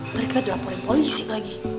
baru kita di laporan polisi lagi